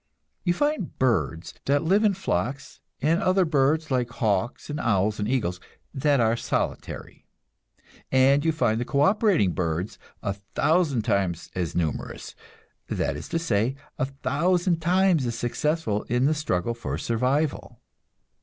You find birds that live in flocks, and other birds, like hawks and owls and eagles, that are solitary; and you find the co operating birds a thousand times as numerous that is to say, a thousand times as successful in the struggle for survival.